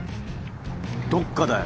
どっかだよ。